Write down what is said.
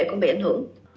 cũng bị ảnh hưởng